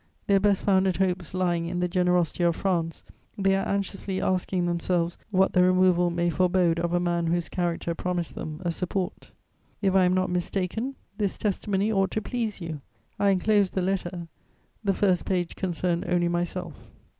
Their best founded hopes lying in the generosity of France, they are anxiously asking themselves what the removal may forebode of a man whose character promised them a support.' "If I am not mistaken, this testimony ought to please you. I enclose the letter: the first page concerned only myself."